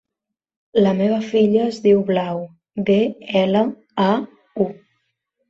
La meva filla es diu Blau: be, ela, a, u.